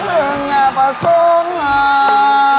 พึ่งให้ประสงค์อ่า